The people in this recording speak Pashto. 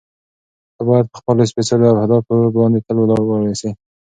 ته باید په خپلو سپېڅلو اهدافو باندې تل ولاړ واوسې.